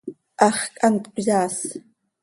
Hax quih hant cöyaas.